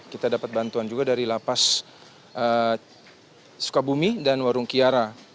kita dapat bantuan juga dari lapas sukabumi dan warung kiara